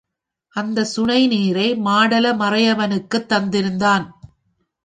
அந்தச் சுனை நீரை மாடல மறையவனுக்குத் தந்திருந்தான்.